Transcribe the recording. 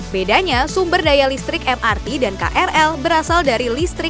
bedanya sumber daya listrik mrt dan krl berasal dari listrik